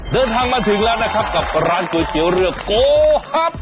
เดินทางมาถึงแล้วนะครับกับร้านก๋วยเตี๋ยวเรือโกฮับ